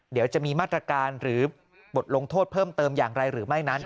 เดี๋ยวจะมีมาตรการหรือบทลงโทษเพิ่มเติมอย่างไรหรือไม่นั้น